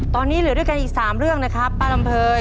ตอนนี้เหลือด้วยกันอีก๓เรื่องนะครับป้าลำเภย